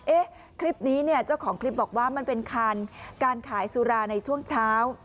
เอ๊ะคลิปนี้เนี่ยเจ้าของคลิปบอกว่ามันเป็นคันการขายสุราในช่วงเช้า